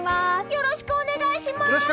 よろしくお願いします！